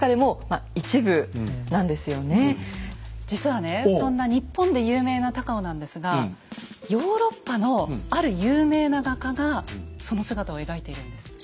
実はねそんな日本で有名な高尾なんですがヨーロッパのある有名な画家がその姿を描いているんです。